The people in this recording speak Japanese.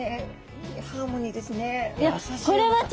いいハーモニーですね。